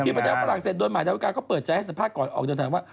พี่ประเทศฝรั่งเศรษฐ์โดยมาทางอีกกันเขาเปิดใจให้สัมภาษณ์ก่อนออกจนถามว่า